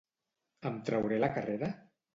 Em trauré la carrera?